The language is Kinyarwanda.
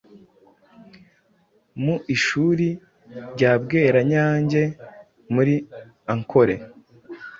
Mu Ishuri rya Bweranyangye muri Ankole,